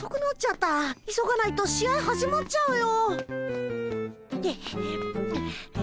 急がないと試合始まっちゃうよ。